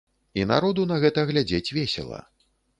І народу на гэта глядзець весела.